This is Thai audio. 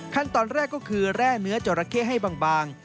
ขั้นตอนแรกก็คือแร่เนื้อจราเข้ให้บาง